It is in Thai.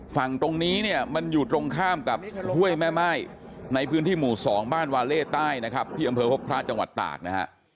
ฝั่งตรงนี้เนี่ยมันอยู่ตรงข้ามกับห้วยแม่ม่ายในพื้นที่หมู่๒บ้านวาเล่ใต้นะครับที่อำเภอพบพระจังหวัดตากนะฮะ